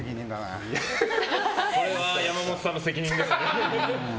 これは山本さんの責任ですね。